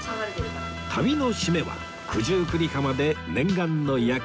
旅の締めは九十九里浜で念願の焼きハマグリ